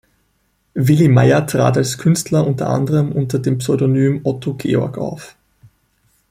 Willi Meyer trat als Künstler unter anderem unter dem Pseudonym Otto Georg auf.